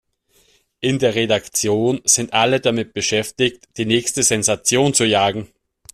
In der Redaktion sind alle damit beschäftigt, die nächste Sensation zu jagen.